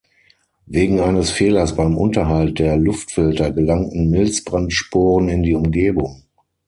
Wegen eines Fehlers beim Unterhalt der Luftfilter gelangten Milzbrand-Sporen in die Umgebung.